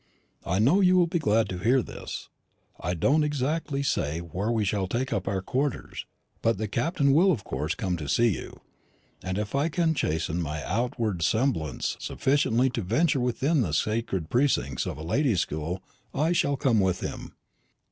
I know you will be glad to hear this. I don't exactly say where we shall take up our quarters; but the Captain will of course come to see you; and if I can chasten my outward semblance sufficiently to venture within the sacred precincts of a lady's school, I shall come with him.